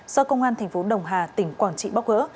do công an tp đồng hà tỉnh quảng trị bóc gỡ